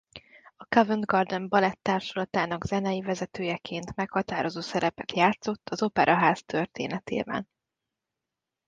A Covent Garden balett-tárdsulatának zenei vezetőjeként meghatározó szerepet játszot az operaház történetében.